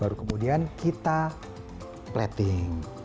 baru kemudian kita plating